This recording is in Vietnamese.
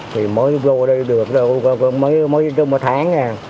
thì mới vô đây được mới trong một tháng nha